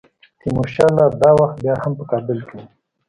تیمورشاه لا دا وخت بیا هم په کابل کې وو.